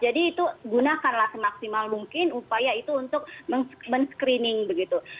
jadi itu gunakanlah semaksimal mungkin upaya itu untuk men screening begitu